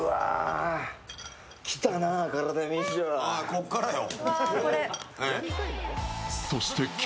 こっからよ。